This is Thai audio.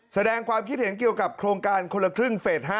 แสดงความคิดเห็นเกี่ยวกับโครงการคนละครึ่งเฟส๕